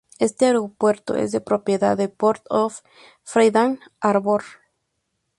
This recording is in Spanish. Este aeropuerto es de propiedad de Port of Friday Harbor.